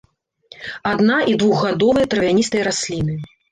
Адна- і двухгадовыя травяністыя расліны.